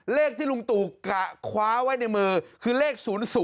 เลขที่ลุงตู่กะคว้าไว้ในมือคือเลข๐๐